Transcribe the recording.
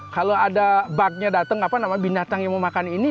kalau ada bugnya datang apa namanya binatang yang mau makan ini